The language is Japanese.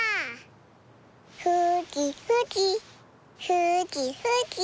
ふきふき。